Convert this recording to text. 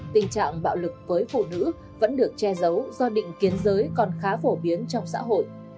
tình trạng bạo lực với phụ nữ vẫn được che giấu do định kiến giới còn khá phổ biến trong xã hội